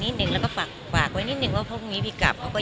ว่าเป็นครั้งสุดท้ายของเขาเหรอนะอันนี้มันก็แค่นั้นเองอะค่ะ